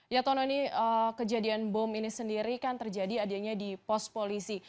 ya tono ini kejadian bom ini sendiri kan terjadi adanya di pos polisi